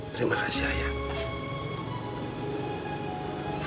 terima kasih ayah